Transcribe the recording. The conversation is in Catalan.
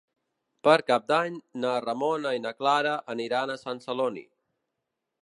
Per Cap d'Any na Ramona i na Clara aniran a Sant Celoni.